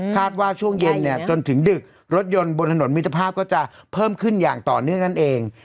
ว่าช่วงเย็นเนี่ยจนถึงดึกรถยนต์บนถนนมิตรภาพก็จะเพิ่มขึ้นอย่างต่อเนื่องนั่นเอง